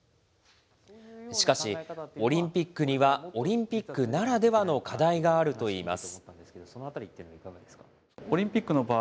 しかし、オリンピックにはオリンピックならではの課題があるといいます。